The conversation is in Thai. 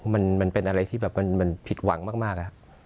มันเป็นอะไรที่แบบมันผิดหวังมาก